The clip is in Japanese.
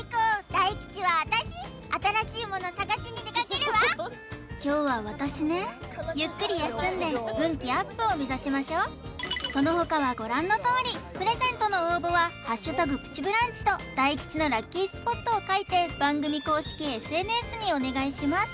大吉は私新しいモノ探しに出かけるわ凶は私ねゆっくり休んで運気アップを目指しましょうその他はご覧のとおりプレゼントの応募は「＃プチブランチ」と大吉のラッキースポットを書いて番組公式ＳＮＳにお願いします